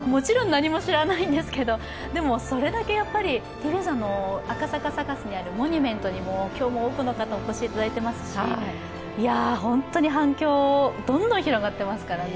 どうなのとすごく問い合わせが来て、もちろん何も知らないんですけどでも、それだけ赤坂サカスにあるモニュメントにも今日も多くの方、お越しいただいていますし、本当に反響、どんどん広がっていますからね。